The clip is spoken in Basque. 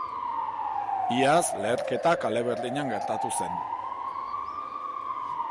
Iaz leherketa kale berdinean gertatu zen.